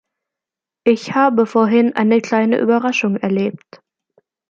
Ich habe vorhin eine kleine Überraschung erlebt.